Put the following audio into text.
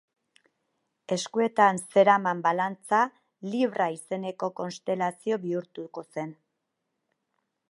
Eskuetan zeraman balantza Libra izeneko konstelazio bihurtuko zen.